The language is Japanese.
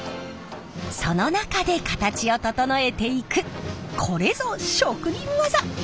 その中で形を整えていくこれぞ職人技！